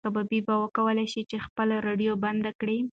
ایا کبابي به وکولی شي چې خپله راډیو بنده کړي؟